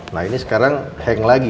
nah ini sekarang hang lagi